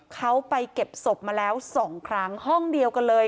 เขาไปเก็บศพมาแล้ว๒ครั้งห้องเดียวกันเลย